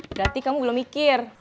berarti kamu belum mikir